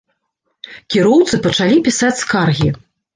Кіроўцы пачалі пісаць скаргі.